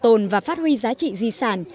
tự hào tồn và phát huy giá trị di sản